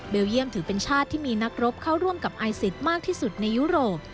เยี่ยมถือเป็นชาติที่มีนักรบเข้าร่วมกับไอซิสมากที่สุดในยุโรป